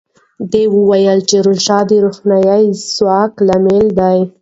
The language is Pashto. ده وویل چې روژه د روحاني ځواک لامل دی.